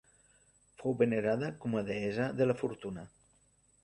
Fou venerada com a deessa de la fortuna.